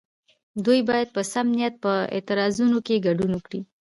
دوی باید په سم نیت په اعتراضونو کې ګډون وکړي.